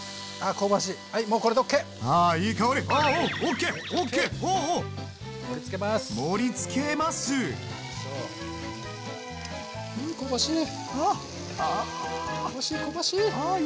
香ばしい香ばしい！